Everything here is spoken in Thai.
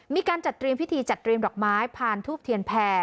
มีการจัดกรีมพิธีจัดกรีมดอกไม้พานทูบเถียนแผ่